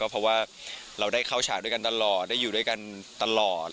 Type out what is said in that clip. เพราะว่าเราได้เข้าฉากด้วยกันตลอดได้อยู่ด้วยกันตลอด